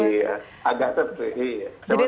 iya agak tepi